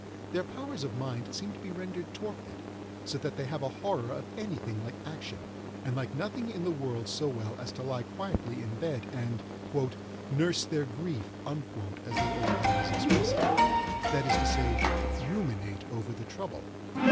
Their powers of mind seem to be rendered torpid, so that they have a horror of any thing like action, and like nothing in the world so well as to lie quietly in bed and "nurse their grief," as the old ladies express it—that is to say, ruminate over the trouble.